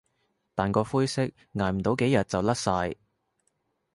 但個灰色捱唔到幾日就甩晒